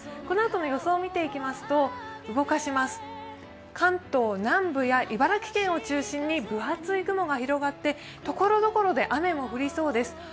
このあとの予想を見ていきますと、関東南部や茨城県を中心に分厚い雲が広がって所々で雨も降りそうです。